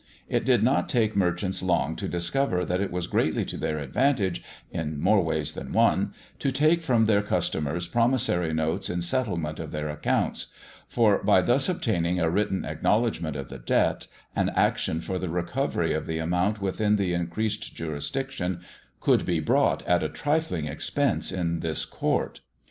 It did not take the merchants long to discover that it was greatly to their advantage, in more ways than one, to take from their customers promissory notes in settlement of their accounts; for by thus obtaining a written acknowledgement of the debt, an action for the recovery of the amount within the increased jurisdiction could be brought at a trifling expense in this court.